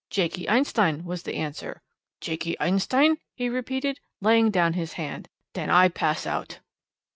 'Jakey Einstein' was the answer. 'Jakey Einstein?' he repeated, laying down his hand; 'den I pass out.'